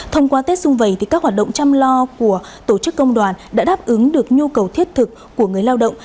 thông qua tết dung vầy các hoạt động chăm lo của tổ chức công đoàn đã đáp ứng được nhu cầu thiết thực của người lao động